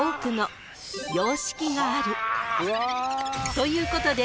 ［ということで］